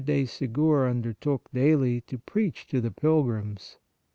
de Segur undertook daily to preach to the pilgrims.